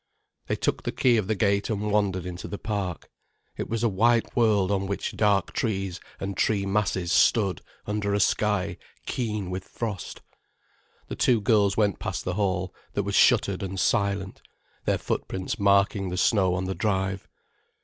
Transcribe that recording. They took the key of the gate and wandered into the park. It was a white world on which dark trees and tree masses stood under a sky keen with frost. The two girls went past the hall, that was shuttered and silent, their footprints marking the snow on the drive.